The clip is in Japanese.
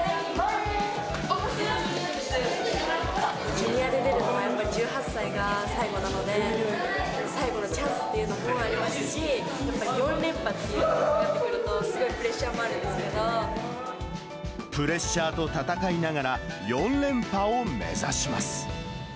ジュニアで出るのは１８歳が最後なので、最後のチャンスっていうのもありますし、やっぱり４連覇っていうふうになってくると、すごいプレッシャープレッシャーと闘いながら、４連覇を目指します。